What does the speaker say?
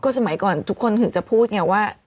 สมัยก่อนทุกคนถึงจะพูดไงว่า